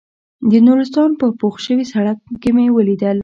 د نورستان په پوخ شوي سړک مې وليدل.